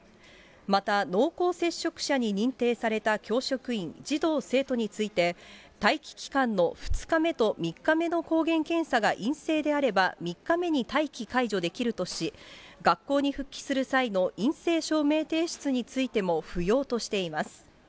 また濃厚接触者に認定された教職員、児童・生徒について、待機期間の２日目と３日目の抗原検査が陰性であれば、３日目に待機解除できるとし、学校に復帰する際の陰性証明提出についても不要としています。